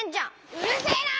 うるせえな！